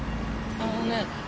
あのね。